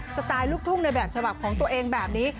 สไตล์ลูกทุ่งในแบบฉบับของตัวเองแบบนี้